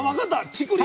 竹林。